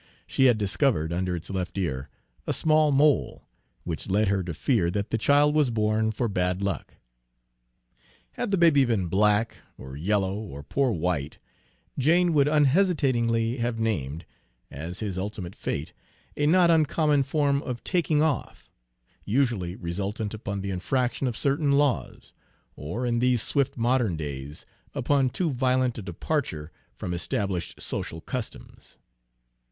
She had discovered, under its left ear, a small mole, which led her to fear that the child was born for bad luck. Had the baby been black, or yellow, or poor white, Jane would unhesitatingly have named, as his ultimate fate, a not uncommon form of taking off, usually resultant upon the infraction of certain laws, or, in these swift modern days, upon too violent a departure from established social customs.